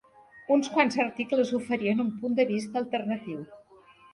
Uns quants articles oferien un punt de vista alternatiu.